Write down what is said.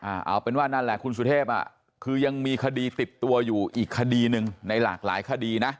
เอาเป็นว่านั่นแหละคุณสุเทพอ่ะคือยังมีคดีติดตัวอยู่อีกคดีหนึ่งในหลากหลายคดีนะ